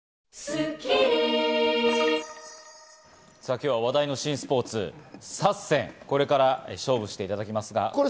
今日は話題の新スポーツＳＡＳＳＥＮ、これから勝負していただきます。